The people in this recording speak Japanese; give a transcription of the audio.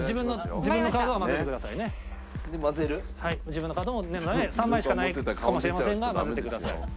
自分のカードも３枚しかないかもしれませんが交ぜてください。